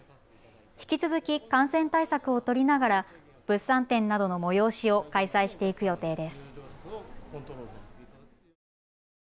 引き続き感染対策を取りながら物産展などの催しを開催していく予定です。